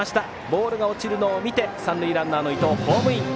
ボールが落ちるのを見て三塁ランナーの伊藤、ホームイン。